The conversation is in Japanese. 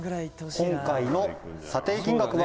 「今回の査定金額は」